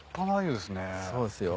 そうですよ。